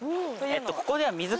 ここでは。